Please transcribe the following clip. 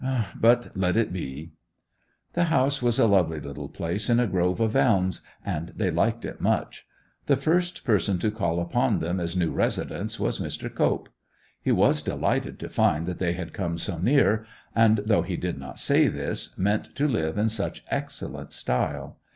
... But let it be!' The house was a lovely little place in a grove of elms, and they liked it much. The first person to call upon them as new residents was Mr. Cope. He was delighted to find that they had come so near, and (though he did not say this) meant to live in such excellent style.